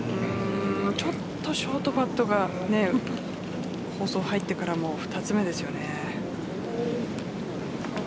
ちょっとショートパッドが放送入ってからも２つ目ですよね。